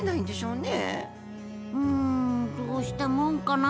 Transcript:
うんどうしたもんかな？